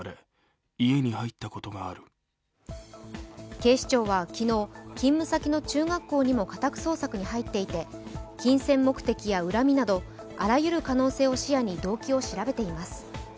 警視庁は昨日、勤務先の中学校にも家宅捜索に入っていて金銭目的や恨みなど、あらゆる可能性を視野に動機を調べています。